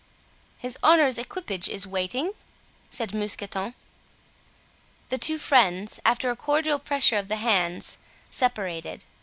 "His honor's equipage is waiting," said Mousqueton. The two friends, after a cordial pressure of the hands, separated.